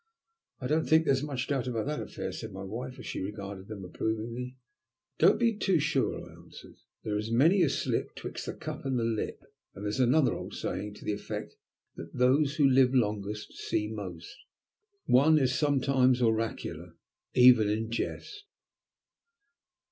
"I don't think there is much doubt about that affair," said my wife, as she regarded them approvingly. "Don't be too sure," I answered. "There is many a slip 'twixt the cup and the lip, and there is another old saying to the effect that those who live longest see most." One is sometimes oracular even in jest.